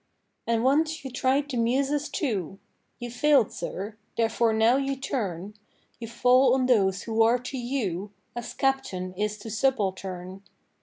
And once you tried the Muses too: You fail'd, Sir: therefore now you turn, You fall on those who are to you As captain is to subaltern.